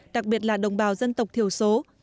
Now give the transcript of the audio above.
đặc biệt là đồng bào dân tộc thiểu số